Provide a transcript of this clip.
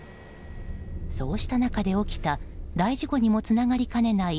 そうした中で起きた大事故にもつながりかねない